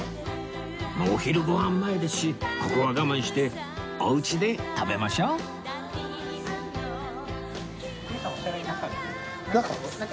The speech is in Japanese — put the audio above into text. お昼ごはん前ですしここは我慢してお家で食べましょう！中？